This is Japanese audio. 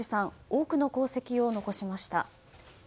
多くの功績を残しました。